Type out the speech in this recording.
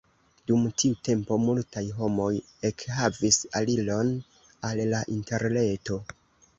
Dum tiu tempo multaj homoj ekhavis aliron al la interreto.